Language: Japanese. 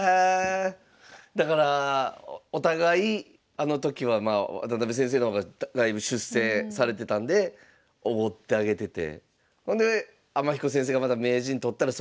だからお互いあの時は渡辺先生の方がだいぶ出世されてたんでおごってあげててほんで天彦先生がまた名人取ったらそれもお祝いして。